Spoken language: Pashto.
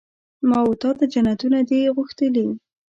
ما وتا ته جنتونه دي غوښتلي